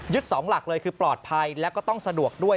สองหลักเลยคือปลอดภัยแล้วก็ต้องสะดวกด้วย